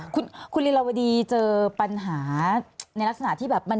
คุณลิลวดีเจอปัญหาในลักษณะที่แบบมัน